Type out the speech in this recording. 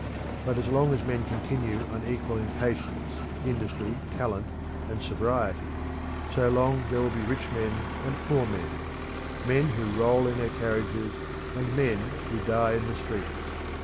But as long as men continue unequal in patience, industry, talent, and sobriety, so long there will be rich men and poor men men who roll in their carriages, and men who die in the streets.